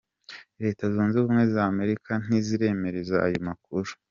Leta Zunze Ubumwe za Amerika ntiziremeza ayo makuru.